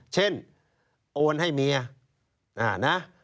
เช่นโอนให้เมียนะ